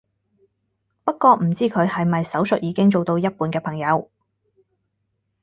不過唔知佢係咪手術已經做到一半嘅朋友